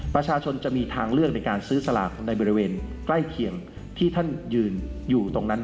ประชาชนจะมีทางเลือกในการซื้อสลากในบริเวณใกล้เคียงที่ท่านยืนอยู่ตรงนั้น